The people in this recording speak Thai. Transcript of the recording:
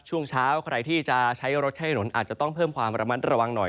ช่วงเช้าใครที่จะใช้รถใช้ถนนอาจจะต้องเพิ่มความระมัดระวังหน่อย